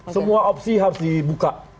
semua opsi harus dibuka